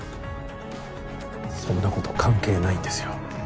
そんなこと関係ないんですよ